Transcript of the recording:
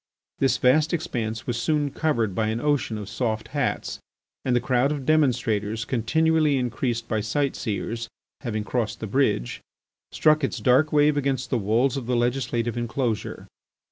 This vast expanse was soon covered by an ocean of soft hats, and the crowd of demonstrators, continually increased by sight seers, having crossed the bridge, struck its dark wave against the walls of the legislative enclosure.